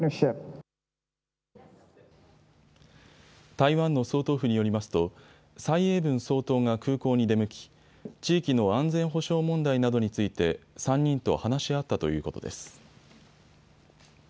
台湾の総統府によりますと蔡英文総統が空港に出向き地域の安全保障問題などについて３人と話し合ったということです。